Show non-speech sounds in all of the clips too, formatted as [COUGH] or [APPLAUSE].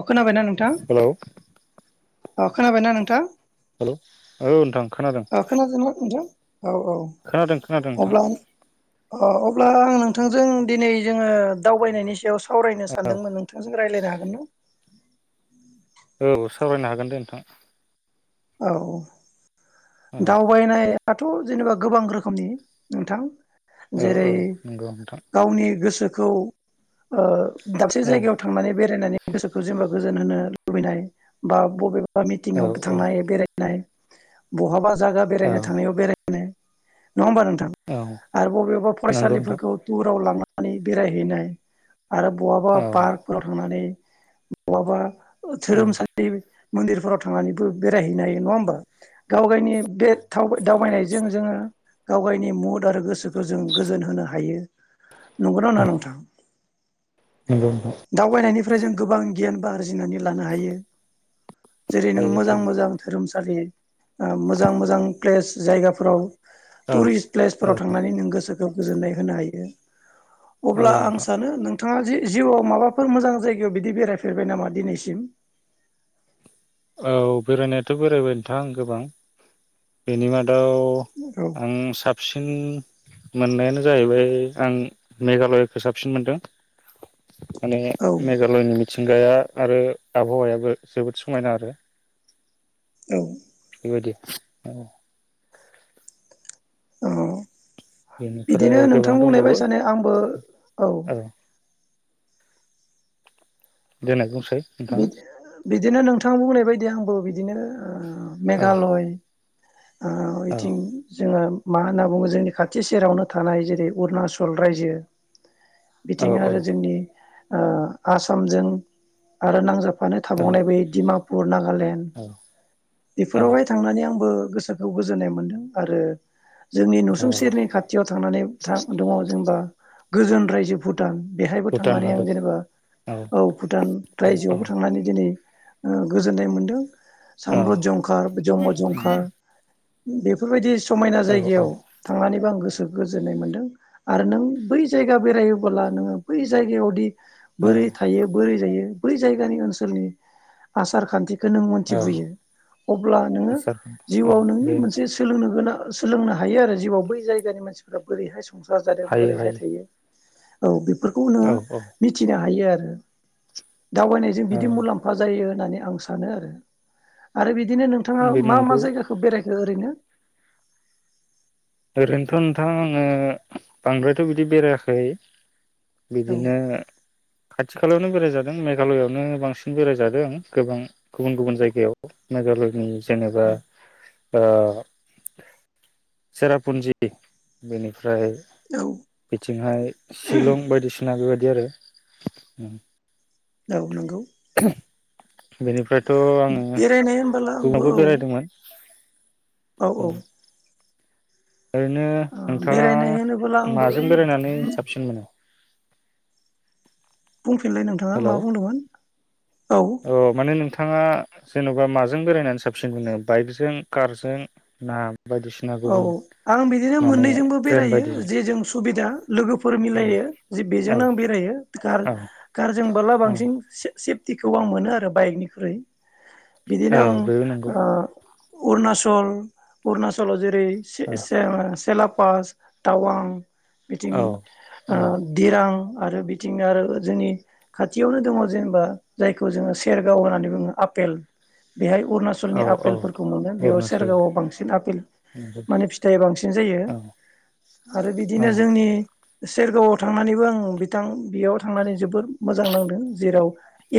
अ खोनाबायना नोंथां? हेलौ अ खोनाबायना नोंथां? हेल' औ नोंथां खोनादों। अ खोनादोंना नोंथां औ औ खोनादों खोनादों नोंथां अब्ला अ अब्ला आं नोंथांजों दिनै जोंङो दावबायनायनि सायाव साव सावरायनो औ सानदोंमोन नोंथांजों रायज्लायनो हागोन ना? औ सावरायनो हागोन दे नोंथां। औ औ। औ दावबायनाय आथ' जेनेबा गोबां रोखोमनि नोंथां। औ जेरै औ नंगौ नोंथां गावनि गोसो गोसोखौ ओ दाबसे औ जायगायाव थांनानै बेरायनानै गोसोखौ जेनबा गोजोन होनो लुबैनाय बा बबे बा मिटिंआव औ थांनाय बेराय [UNINTELLIGIBLE] बहाबा जागा औ बेरायनो थांनायाव बेराय [UNINTELLIGIBLE] नङा होमबा नोंथां? औ आरो बबेबा नंगौ नोंथां फरायसालिफोरखौ टुराव लां बेरायहैनाय। आरो बहा औ बहाबा पार्कफोराव थांनानै बहाबा औ धोरोम सालि मन्दिरफोराव थांनानैबो बेरायहैनो हायो नङा होमबा? गाव गायनि बे थाव दावबायनायजों जोंङो गाव गायनि मुद आरो गोसोखौ गोजों गोजोन होनो हायो। नंगौना नंङा नोंथां? नंगौ नोंथां। फ्राय जों गोबां गियानबो आरजिनानै लानो हायो। जेरै नों हायो मोजां हायो मोजां धोरोम [UNINTELLIGIBLE] ओ मोजां मोजां प्लेस। जायगाफोराव औ टुरिस्ट प्लेसफोराव औ थांनानै नों गोसो गाव गोजोननाय होनो हायो। औ अब्ला आं नोंथां सानो नोंथां नोंथांङा जिउआव माबाफोर मोजां जायगायाव बिदि बेरायफेरबाय नामा दिनैसिम? औ बेरायनायाथ' बेरायबाय नोंथां गोबां बेनि मा दाव औ आं साबसिन मोननायानो जाहैबाय आं मेघालयखौ साबसिन मोनदों माने औ मेघालयनि मिथिंगाया आरो आबहावायाबो जोबोद समायना आरो औ बेबायदि औ ओ बिदिनो बेनिफ्राय गोबां नोंथां बुंनाय दंबावो बायसानो आंबो औ दे नों नोंथाङा बिदि बिदिनो नोंथां बुंनाय बायदि आंबो बिदिनो ओ औ मेघालय औ इथिं जोङो मा होनना बुङो जोंनि खाथि सेरावनो थानाय जेरै अरुणाचल रायजो औ बिथिं आरो जोंनि ओ आसामजों आरो नांजाब ना औ थाबावनाय बे दिमा पुरना गा लेण्ड औ औ बेफोरावहाय थांनानै आंबो गोसोखौ गोजोननाय मोनदों आरो जोंनि औ नुसुं सेरनि खाथियाव थांनानै था दङ जेनेबा गोजोन रायजोफोर भुटान बेहायबो भुटान थांनानै आं हादर जेनेबा औ भुटान औ औ रायजोआवबो थांनानै दिन रै गोजोननाय मोनदों। साम्र' जंखार जंगल जंखार बेफोरबायदि समायना औ जायगायाव थांनानैबो आं गो सो गोजोननाय मोन्दों आरो नों बै जायगा बेरायोबोला नोङो बै जायगायावदि औ बोरै थायो बोरै जायो बै जायगानि ओनसोलनि आसार खान्थि खौ नों औ मोनथिबोयो अब्ला नोङो आसारखान्थि औ जिउवाव नोंनि बे मोनसे सोलोंनो गोनां सोलोंनो हायो आरो जिउाव बै जायगानि मानसिफोरा बोरैहाय संसार जादों हायो बोरैहाय हायो थायो औ बे खौनो औ औ मिथिनो हायो आरो दावबायनायजों औ बिदि मुलाम्फा जायो। होननानै आं सानो आरो आरो बिद दिनो नोंथाङा बे मा नंगौ मा जायगाखौ बेराय ओरैनो ओरैनोथ नोंथां आंङो बांद्रायथ' बिदि बेरायाखै औ बिदिनो खाथि खाालायावनो बेरायजादों मेघालयआवनो बांसिन बेरायजादों गोबां गुबुन गुबुन जायगायाव मेघालयनि जेनेबा औ ओ। सेरापुन्जि बेनिफ्रा फ्राय औ बिथिंहाय शिलं बायदिसिना बेबादि बिदि आरो ओम। औ नंगौ। [INAUDIBLE] बेनिफ्रायथ' आङो बेरायनाय होनबोला आंबो गुबुनावबो औ बेरायदोंमोन। औ औ। ओरैनो नोंथाङा बेरायनाय होनोबोला आंबो माजों नोंथां बेरायनानै साबसिन मोनो? बुंफिनलाय नोंथाङा हेलौ मा बुंदोंमोन औ। थाङा जेनबा माजों बेरायनानै साबसिन बो बाइकजों कारजों ना? बायदिसिना औ गुबुन औ आं बिदिनो माने मोननैजोंबो ट्रेन बेरायो बायदिजों जेजों सुबिदा । लोगोफोर औ मिलायो जे बेजोंनो औ आं बेरायो कार औ कारजोंबोला बांसिन से सेफटिखौ आं मोनो आरो बाइकनिख्रुइ। बिदिन औ आं बेबो नंगौ ओ अरुणाचल अरुणाच चलाव जे रै औ से-से-सेलाब। पास तावां बिथिं औ ओ औ दिरां आरो बिथिंनो आरो जोंनि खाथियावनो दङ जेनेबा जायखौ जोङो सेरगाव होननानै बुङो आपेल बेहाय औ अरुणाचलनि औ आपेलफोरखौ मोनो बेयाव अरुणाचलाव सेरगावआव बांसिन आपेल नंगौ माने फिथाइया बांसिन जायो औ आरो औ बिदिनो जोंनि सेरगावआव थांनानैबो आं बिथां बेयाव थांनानै जोबोर मोजां नांदों जेराव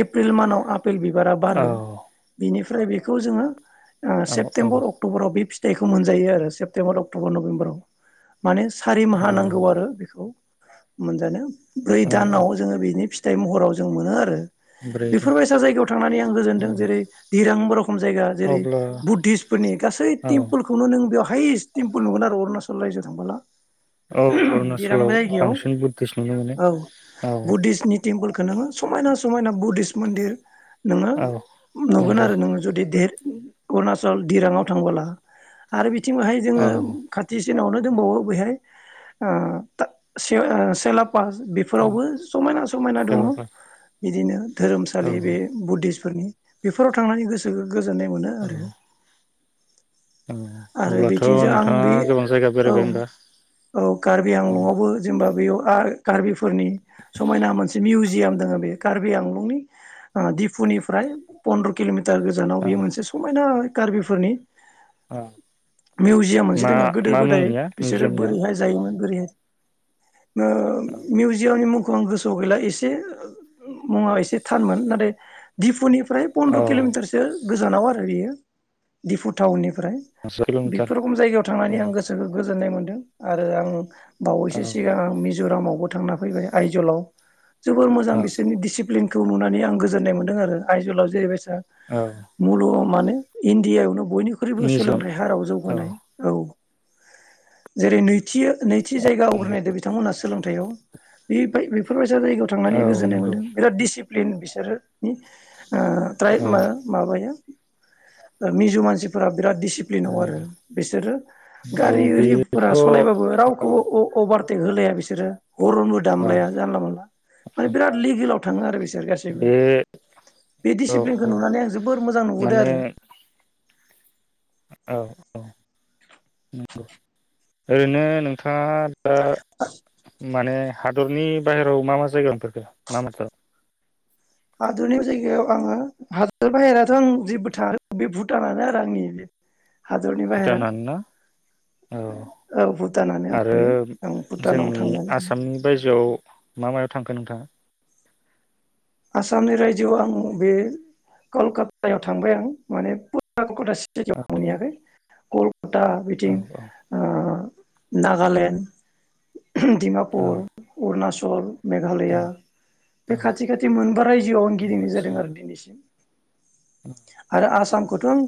एप्रिल मानाव आपेल बिबारा बारो औ बिनि ओमफ्राय बेखौ जोङो ओ औ सेपतेम्बर अक्ट'बराव बे फि खौ मोनजायो आरो सेप्तेम्बर अक्ट'बर नभेम्बराव। माने सारि औ माहा नांगौ आरो बेखौ मोनजानो ब्रै औ औ दानाव जोङो बेनि फि फिथाइ महराव जों मोनो आरो‌। ब्रै दा बेफोरबायसा जायगायाव थांनानै आं औ गोजोनदों जेरै दिरां रखम जायगा जेरै अब्ला बुद्धिस्टफोरनि औ गासैथिं नों बेयाव हायेस्ट तेम्पोल नुगोन आरो अरुणाचल रायजोआव थांबोला औ दिरां अरुणाचलाव जायगायाव बांसिन बुद्धिस नुनो मोनो औ औ बुद्धिस्टनि टेम्पोलखौ नोङो समायना समायना बुद्धिस्ट मन्दिर नोङो औ नुगोन नंगौ आरो नोङो जुदि देर अरुणाचल दिराङाव थांबोला आरो बि बिथिंहाय औ जोङो खाथि जोंनावनो दंबावो बेहाय ओ ए ओ सेलाव बेफोरावबो समायना समायना दङ जेलाबा बिदिनो औ धोरोमसालि बे बुद्धिस फोरनि बेफोराव थांनानै गोसो गोजोन्नाय मोनो औ आरो आरो अब्लाथ' बिथिंजो आं नोंथाङा बे गोबां जायगा औ बेरायबाय होनबा औ कार्बि औ आंलंआवबो जेनेबा बेयाव आ खार्बि फोरनि समायना मोनसे मिउ याम दोङो बे कार्बि आंलंनि ओ डिपुनिफ्राय पन्द्र' किल'मि टार गोजानाव औ बेयो मोनसे समायना कार्बिफोरनि औ मिउजियाम मोनसे मा दोङो गोदो मा गोदाय मुंनिया बिसोरो मिउजियामनिया बोरैहाय जायोमोन। ओरै नो औ मिउजियामनि मुं खौ आं गोसाव गैला एसे मुङा एसे थानमोन नाथाय दिफुनि फ्राय पन्द्र औ किल'मिटारसो गोजानाव आरो बेयो दिफु थावनि फ्राय पास किल'मिटार बेफोर रखम जायगायाव औ थांनानै आं गोसोखौ गोजोननाय मोन्दों आरो आं औ बावैसो सिगांं आं मि ज'रामावबो थांना फैबाय आइजलाव जोबोर मोजां औ बिसोरनि दिसिप्लिन खौ नुनानै आं गोजोननाय मोनदों आरो आइजलाव जेरैबाय आ औ मुल माने इण्डियायावनो बयनि बनिख्रुइबो मिउजियाम सोलोंथाइ हाराव औ जौगानाय औ जेरै नै थियो नैथि जायगा नंगौ आवग्रिनायदो बिथांमोनहा सोलोंथाइयाव बे बाय बेफ फोर जायगायाव थांनानै औ गोजोननाय मोन नंगौ बिराद दिसि प्लेन बिसोरो नि ओह त्राय औ मो माबाया ओ मिजौ मानसि बिराद दिसिप्लिनाव आरो बिसोरो औ गारि ओरिफोरा बेथ' सलायबाबो औ रावखौबो अ अभार टेक होलाया बिसोरो हरनबो औ दामलाया जानला मानला माने बिराद लिगेलाव थाङो आरो बिसोर गासैबो बे बे औ डिसिप्लिनखौ नुनानै आं जोबोर मोजां नुबोदो माने आरो । औ औ नंगौ ओरैनो नोंथाङा ओ माने हादरनि बाहेराव मा मा जायगा नुफेरखो मा मा [UNINTELLIGIBLE] हादरनिवा जायगायाव आङो हादर बाहेराथ' आं जेबो थाङा बे भुटानानो आरो आंनि बे हादरनि बाहेरा भुटानानो ना औ भुटानानो आरो आंनि आं भुटानाव जोंनि थांनानै आसामनि बायजोआव मा मायाव थांखो नोंथाङा? आसामनि रायजोआव आं बे कलकातायाव थांबाय आं माने पुत आग कदासि [UNINTELLIGIBLE] औ जायगायाव मोनहैयाखै कल्क कता औ बिथिं ओ नागालेण्ड औ दिमापुर अरुणाच ल औ मेघालया बे औ खाथि खाथि बे मोनबा रायजोआव आं गिदिंनाय आदसा जादों आरो दिनैसिम । आरो आसाम खौथ' आं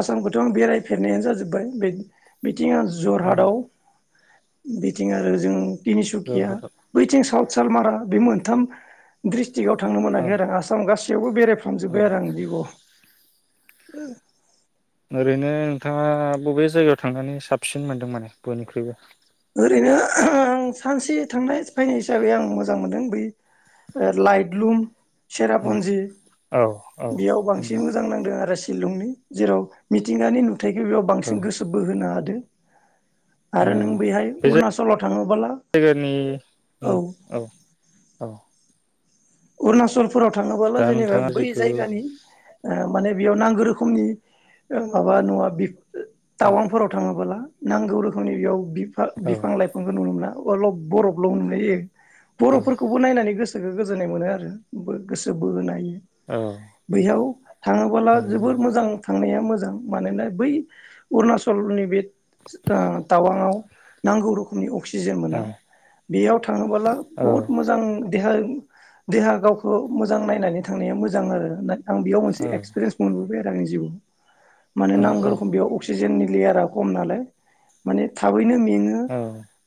आसामखौथ' आं बेरायफेरनायानो जाजोबबाय बे-बै थिं आं औ जरहादाव बिथिं आरो जों तिनिसुकिया जरहाटआव बैथिं साव सालमारा बे मोनथाम सिरिकआव थांनो औ मोनाखै आरो आसाम गासि जेवबो बेराय औ खांजोबबाय आरो आंदिब औ ओरैनो नोंथाङा बबे जायगायाव थांनानै साबसिन मोनदों माने बयनिख्रुइबो ओरैनो आं सानसे थांनाय फैनाय हिसाबै आं मोजां मोनदों बै लाइट लुम औ सेरापुन्जि औ बेयाव बांसिन नंगौ मोजां नांदों आरो सिलंनि जेराव मिथिंगानि नु थायखौ बेयाव औ बांसिन गोसो बोहोनो हादों [INAUDIBLE] ओ आरो नों बैहाय बे अरुणाचलाव थाङोबोला जायगानि औ औ अरुणाचल फोराव थाङोबला दा जेनेबा नोंथाङा बै जिथु जायगानि माने बेयाव नांगौ रोखोमनि माबा नङा औ टावांफोराव थाङोबोला नांगौ रोखोमनि बेयाव बिफा औ -बिफां लाइफांखौ नुनो मोना अलप बरफल' हमनाय जायो औ बर'फोरखौबो नायनानै गोसो जों गोजोननाय मोनो आरो गोसो बोहोनोहायो औ नंगौ बैयाव थाङोबोला नंगौ जोबोर नंगौ मोजां थांनाया मोजां मानोना बै अअरुणाचलनि बे ओ टावांआव नांगौ रखोमनि अ क्सिजेन औ मोना बेयाव थाङोबोला औ बहुद मोजां बेहाय देहा गावखौ मोजां नायनानै थांनाया मोजां आरो आं बेयाव मोनसे एक्सपिरेन्स मोनबोबाय आ आंनि जिउआव । माने नांगौ औ औ रखोम बेयाव अक क्सिजेननि लेयारा कम नालाय माने थाबैनो मेङो औ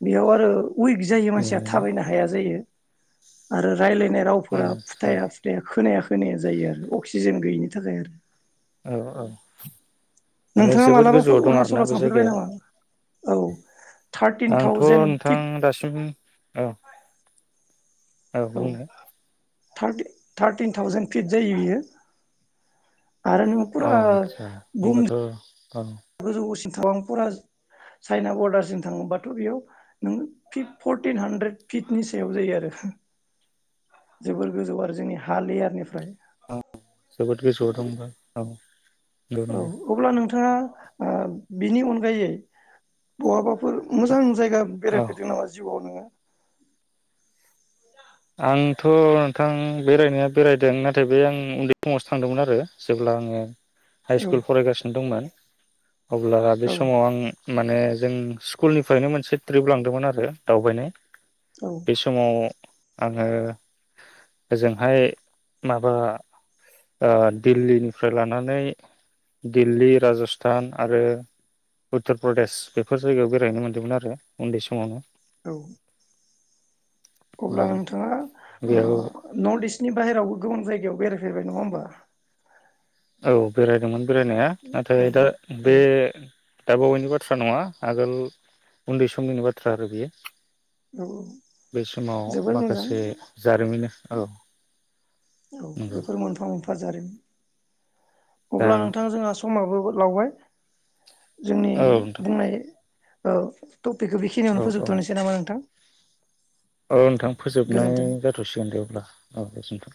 बेयाव आरो उइक जायो मानसिया बेनो थाबायनो हाया जायो । आरो रायलाय रावफोरा आदसा फुथाया फुथाया खोनाया खोनाया जायो आरो अक्सिजेन गैयिनि थाखाय आरो । औ औ माने नोंथाङा जोबोद गोजौआव मालाबाफोर दं आरोना अरुणाचलाव बे थांफेरबाय जायगाया नामा? औ थार्टिन आंथ' थावजेेन नोंथां फिट दासिम औ औ बुंनाय थार्टि-थार्टिन थावजेन फिट जायो बियो । आरो नों औ फुरा आदसा गुम होनबाथ' औ गोजौसिम थावांपुरा चाइना बरडारसिम थाङोबाथ' बेयाव नों फिट फरटिन हानद्रेद फिटनि सायाव जायो आरो जोबोर गोजौ आरो जोंनि हा लेयारनिफ्राय । अ जोबोदो गोजौआव दं ओमबा । औ अब्ला नोंथाङा ओ बिनि अनगायै बहाबा फोर मोजां जायगा औ बेरायफेरदों नामा जिउआव नोङो? आंथ' नोंथां बेरायनाया बेरायदों नाथाय बे आं उन्दै समावसो थांदोंमोन आरो जेब्ला आङो हाइ स्कुल औ फरायगासिनो दंमोन अब्ला बे समाव आं माने जों स्कुलनिफ्रायनो मोनसे ट्रिप लांदोमोन आरो दावबायनाय औ बे समाव आङो ओजोंहाय माबा ओ दिल्लीनिफ्राय लानानै दिल्ली, राज'स्थान आरो उत्तर प्रदेश बेफोर जायगायाव बेरायनो मोन्दोंमोन आरो उन्दै समावनो । औ अब्ला औ नोंथाङा बेयाव ओ-नर्थ इस्ट बिनि बाहेरावबो गोबां जायगायाव बेरायफेरबाय नङा होमबा? औ बेरायदोंमोन। बेरायनाया औ नाथाय दा औ बे दा बावैनि बाथ्रा नङा आगोल उन्दै समनिनो बाथ्रा आरो बियो। औ बै समाव जोबोर मोजां माखासे जारिमिन औ। औ नंगौ बेफोर मोनफा मोन बाजारिमन। अब्ला जारिमिन नोंथां जोंहा समाबो लावबाय। जोंनि औ नोंथां बुंनाय औ। टपिकखौ औ बेखनियावनो औ फोबथ'सनै नामा नोंथां? औ नोंथां फोजोबनाय गोजोन्थों जाथ'सिगोन दे अब्ला औ गोजोन्थों।